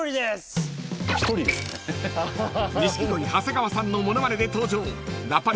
［錦鯉長谷川さんの物まねで登場］